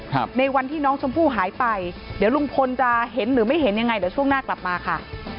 ครับในวันที่น้องชมพู่หายไปเดี๋ยวลุงพลจะเห็นหรือไม่เห็นยังไงเดี๋ยวช่วงหน้ากลับมาค่ะ